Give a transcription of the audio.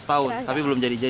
setahun tapi belum jadi jadi